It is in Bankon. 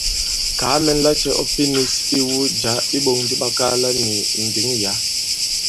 Kàa mɛn lacɛ̄ ɔ pinīs iwu jǎ i iɓōŋ di ɓakaala nì ndǐŋ yǎ.